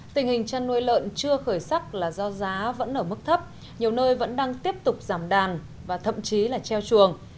tình hình chăn nuôi lợn chưa khởi sắc là do giá vẫn ở mức thấp nhiều nơi vẫn đang tiếp tục giảm đàn và thậm chí là treo chuồng